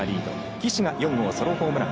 岸が４号ソロホームラン。